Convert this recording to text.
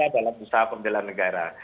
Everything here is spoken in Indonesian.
dalam usaha pembela negara